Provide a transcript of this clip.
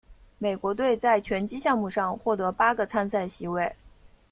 美国队在拳击项目上获得八个参赛席位。